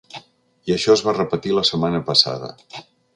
I això es va repetir la setmana passada.